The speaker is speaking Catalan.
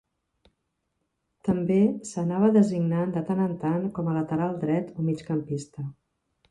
També s'anava designant de tant en tant com a lateral dret o migcampista.